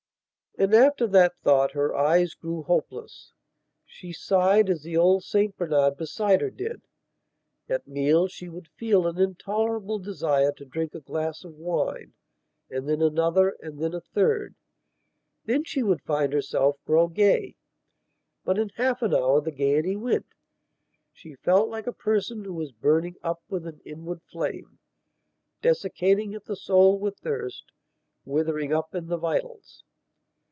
And, after that thought, her eyes grew hopeless; she sighed as the old St Bernard beside her did. At meals she would feel an intolerable desire to drink a glass of wine, and then another and then a third. Then she would find herself grow gay.... But in half an hour the gaiety went; she felt like a person who is burning up with an inward flame; desiccating at the soul with thirst; withering up in the vitals.